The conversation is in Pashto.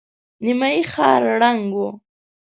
نيمايي ښار ړنګ و.